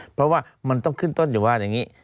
เพราะว่ามันต้องขึ้นต้นอยู่ว่าอย่างนี้